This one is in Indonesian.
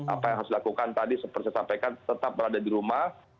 apa yang harus dilakukan tadi seperti saya sampaikan tetap berada di rumah